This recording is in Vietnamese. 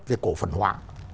về cổ phần hóa